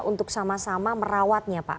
untuk sama sama merawatnya pak